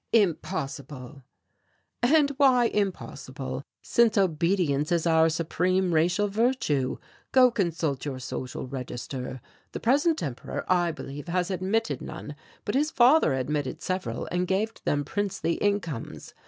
"Impossible!" "And why impossible, since obedience is our supreme racial virtue? Go consult your social register. The present Emperor, I believe, has admitted none, but his father admitted several and gave them princely incomes.